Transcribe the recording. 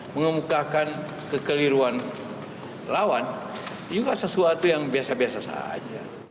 mengemukakan kekeliruan lawan juga sesuatu yang biasa biasa saja